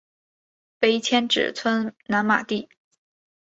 碑迁址村南马地。